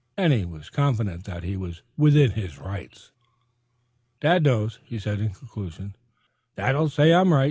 Danny was confident that he was within his rights. "Dad knows," he said in conclusion. "Dad'll say I'm right.